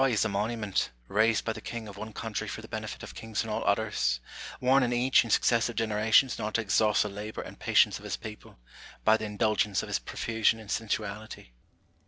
Versailles is a monument, raised by the king of one country for the benefit of kings in all others ; warning each in successive generations not to exhaust the labour and patience of his people, by the indulgence of his profusion and sensuality.